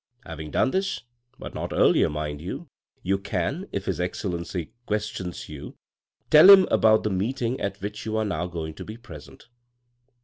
" Having done this, but not earlier, mind you, you can, if his Excellency questions you, tell him about the meeting at which you are now going to be present.